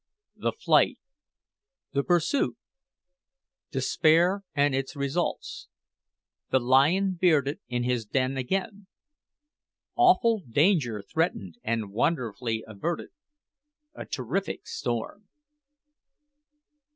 THE FLIGHT THE PURSUIT DESPAIR AND ITS RESULTS THE LION BEARDED IN HIS DEN AGAIN AWFUL DANGER THREATENED AND WONDERFULLY AVERTED A TERRIFIC STORM.